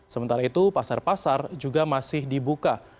sementara itu pasar pasar juga masih dibuka